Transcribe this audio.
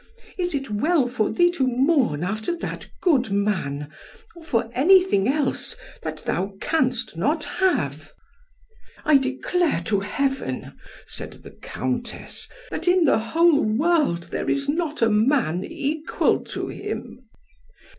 Is it well for thee to mourn after that good man, or for anything else, that thou canst not have?" "I declare to heaven," said the Countess, "that in the whole world there is not a man equal to him."